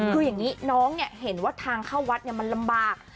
คืออย่างนี้น้องเห็นว่าทางเข้าวัดมันลำบาก